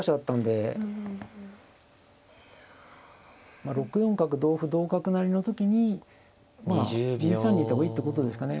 まあ６四角同歩同角成の時にまあ２三にいた方がいいってことですかね。